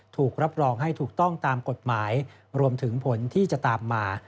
ถูกรับรองให้ถูกต้องตามกฎหมายรวมถึงผลที่จะตามมา